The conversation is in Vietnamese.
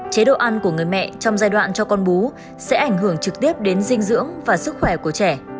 chế độ ăn của người mẹ trong giai đoạn cho con bú sẽ ảnh hưởng trực tiếp đến dinh dưỡng và sức khỏe của trẻ